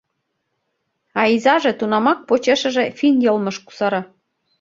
А изаже тунамак почешыже финн йылмыш кусара.